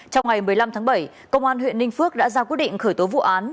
trong ngày một mươi năm tháng bảy công an huyện ninh phước đã ra quyết định khởi tố vụ án